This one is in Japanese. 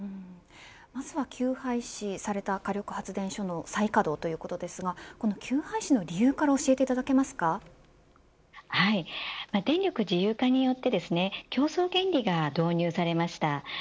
まずは休廃止された火力発電所の再稼働ということですがこの休廃止の理由から電力自由化によって競争原理が導入されました。